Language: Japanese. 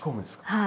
はい。